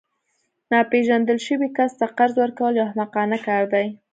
ناپیژندل شوي کس ته قرض ورکول یو احمقانه کار دی